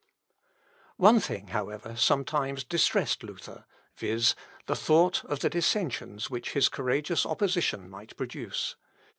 One thing, however, sometimes distressed Luther, viz., the thought of the dissensions which his courageous opposition might produce.